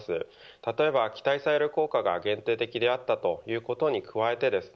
例えば期待される効果が限定的であったということに加えてですね